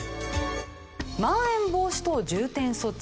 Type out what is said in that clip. まん延防止等重点措置。